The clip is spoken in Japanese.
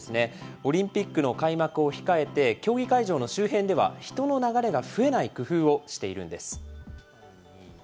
オリンピックの開幕を控えて、競技会場の周辺では、人の流れが増えない工夫をしているんです。